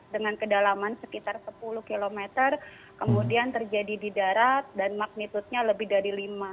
dengan kedalaman sekitar sepuluh km kemudian terjadi di darat dan magnitudenya lebih dari lima